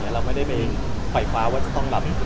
เราไม่ได้ไปไปคว้าว่าจะต้องกับอะไร